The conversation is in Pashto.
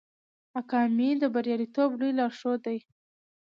اکامي د بریالیتوب لوی لارښود دی.